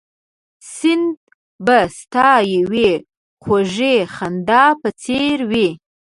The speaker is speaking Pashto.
سیند به ستا یوې خوږې خندا په څېر وي